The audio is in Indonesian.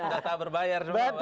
data berbayar semua